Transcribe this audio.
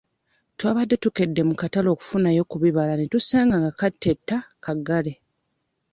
Twabadde tukedde mu katale okufunayo ku bibala ne tusanga nga kateta kaggale.